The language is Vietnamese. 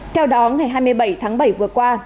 theo đó ngày hai mươi bảy tháng bảy vừa qua